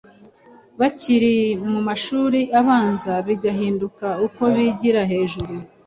bakiri mu mashuri abanza bigahinduka uko bigira hejuru.